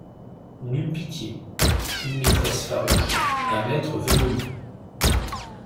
Nulle pitié ; une maîtresse farouche, un maître venimeux.